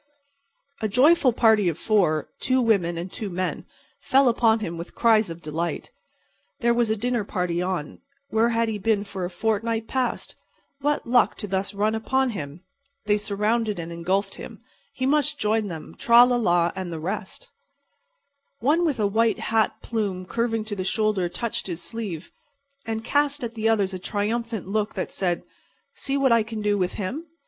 A joyful party of four—two women and two men—fell upon him with cries of delight. There was a dinner party on—where had he been for a fortnight past?—what luck to thus run upon him! They surrounded and engulfed him—he must join them—tra la la—and the rest. One with a white hat plume curving to the shoulder touched his sleeve, and cast at the others a triumphant look that said: "See what I can do with him?"